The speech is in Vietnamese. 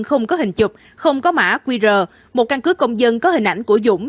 không có hình chụp không có mã qr một căn cứ công dân có hình ảnh của dũng